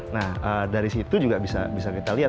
nah dari situ juga bisa kita lihat